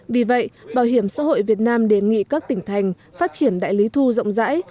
vì vậy bảo hiểm xã hội việt nam đề nghị các tỉnh thành phát triển đại lý thu rộng rãi